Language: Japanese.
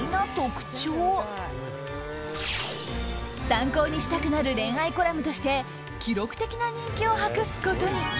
参考にしたくなる恋愛コラムとして記録的な人気を博すことに。